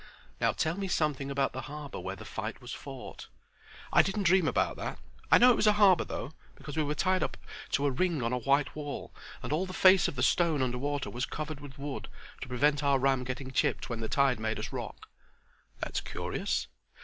'' "Now tell me something about the harbor where the fight was fought." "I didn't dream about that. I know it was a harbor, though; because we were tied up to a ring on a white wall and all the face of the stone under water was covered with wood to prevent our ram getting chipped when the tide made us rock." "That's curious.